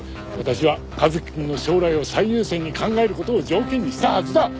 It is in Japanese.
私は一輝くんの将来を最優先に考える事を条件にしたはずだ。